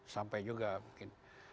sampai juga mungkin